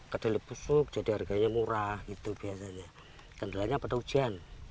kedelai busuk jadi harganya murah gitu biasanya kendalanya pada hujan